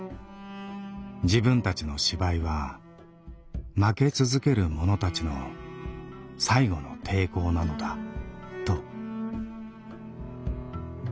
「自分たちの芝居は負け続けるものたちの最後の抵抗なのだ」と。